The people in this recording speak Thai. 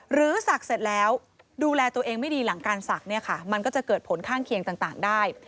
หรือสักเสร็จแล้วดูแลตัวเองไม่ดีหลังการสักมันก็จะเกิดผลข้างเคียงต่างได้